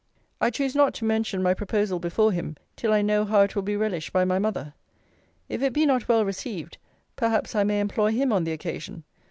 I choose not to mention my proposal before him, till I know how it will be relished by my mother. If it be not well received, perhaps I may employ him on the occasion.